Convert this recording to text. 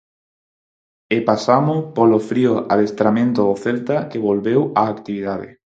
E pasamos polo frío adestramento do Celta que volveu á actividade.